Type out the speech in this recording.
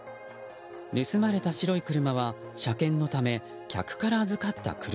盗まれた白い車は、車検のため客から預かった車。